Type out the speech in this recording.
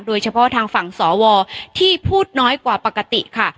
โดยเฉพาะทางฝั่งสวที่พูดน้อยกว่าปกติค่ะ